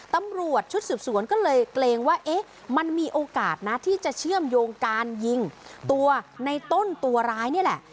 ตำรวจชุดสืบสวนก็เลยเกรงว่าเอ๊ะมันมีโอกาสนะที่จะเชื่อมโยงการยิงตัวในต้นตัวร้ายนี่แหละ